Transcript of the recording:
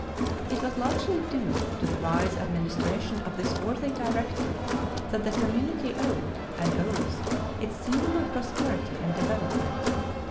It was largely due to the wise administration of this worthy director that the Community owed, and owes, its singular prosperity and development.